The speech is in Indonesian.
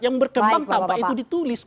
yang berkembang tanpa itu ditulis